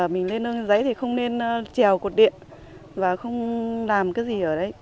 mình lên nương giấy thì không nên trèo cột điện và không làm cái gì ở đấy